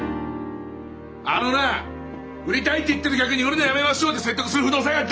あのな売りたいって言ってる客に売るのやめましょうって説得する不動産屋がどこにいんだよ！？